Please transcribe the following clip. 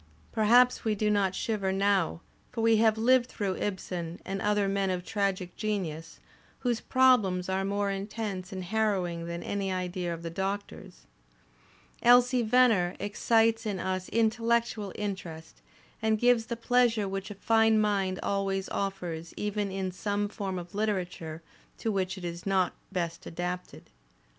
Perhaps we do not shiver now; for we have lived through Ibsen and other men of tragic genius, whose "problems" are more intense and harrowing than any idea of the Doctor's. "Elsie Venner" excites in us intellectual interest and gives the pleasure which a fine mind always offers even in some form of literature to which it is not best adapted.